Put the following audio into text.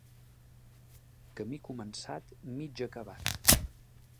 Camí començat, mig acabat.